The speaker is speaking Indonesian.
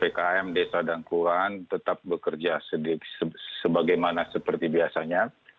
jadi kalau ppkm desa dan kuran tetap bekerja sebagaimana seperti biasanya